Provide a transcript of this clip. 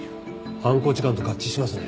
犯行時間と合致しますね。